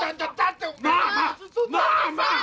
まあまあまあまあ！